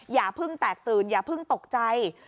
อย่าเพิ่งแตกตื่นอย่าเพิ่งตกใจ